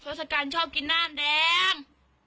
โทสกันชอบกินน้ำแดง